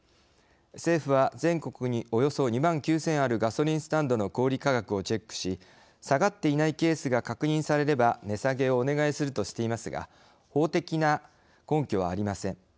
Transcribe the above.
政府は全国におよそ２万９，０００あるガソリンスタンドの小売価格をチェックし下がっていないケースが確認されれば値下げをお願いするとしていますが法的な根拠はありません。